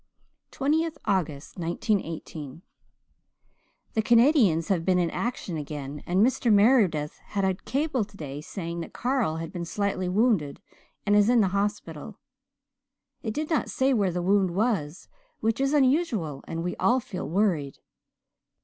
20th August 1918 "The Canadians have been in action again and Mr. Meredith had a cable today saying that Carl had been slightly wounded and is in the hospital. It did not say where the wound was, which is unusual, and we all feel worried.